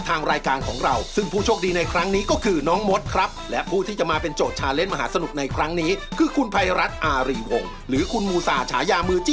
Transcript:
แต่ว่าตอนนี้ครับขอบคุณปริศนาทั้ง๓ท่านกันเลยครับ